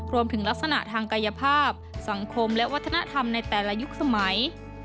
ลักษณะทางกายภาพสังคมและวัฒนธรรมในแต่ละยุคสมัย